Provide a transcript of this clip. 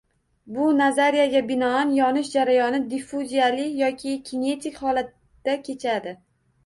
Bu nazariyaga binoan, yonish jarayoni diffuziyali yoki kinetik holatda kechadi.